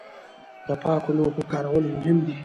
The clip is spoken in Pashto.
د پاکو لوښو کارول مهم دي.